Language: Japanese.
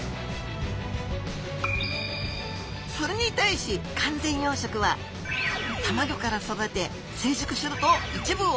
それに対し完全養殖はたまギョから育て成熟すると一部を出荷。